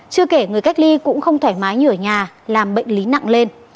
chưa kể người cách ly cũng không thoải mái như ở nhà làm bệnh lý nặng lên